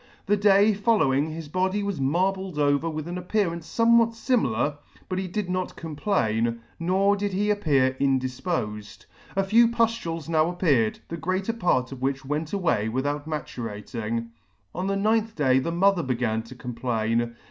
The day following his body was marbled over with an appearance fomewhat fimilar, but he did not complain, nor did he appear indifpofed. A few puftules now appeared, the greater part of which went away without maturating. On the ninth day the mother began to complain.